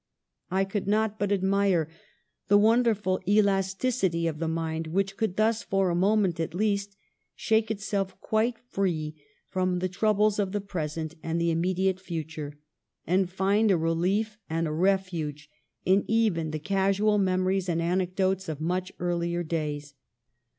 I could not but admire the wonderful elasticity of the mind which could thus, for a moment at least, shake itself quite free from the troubles of the present and the immediate future and find a relief and a refuge in even the casual memories and anecdotes of much earlier days.